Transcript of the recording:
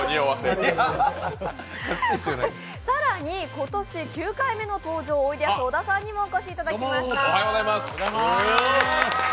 更に今年９回目の登場、おいでやす小田さんにもお越しいただきました。